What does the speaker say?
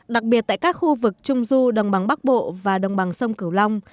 đặc biệt tại các khu vực trung du đồng bằng bắc bộ và đồng bằng sông cửu long